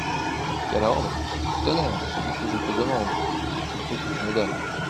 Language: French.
Quel ordre ? Tonnerre ! celui que je te demande, et qu'il faut que tu me donnes.